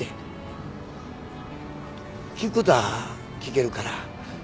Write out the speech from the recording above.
聞くことは聞けるから。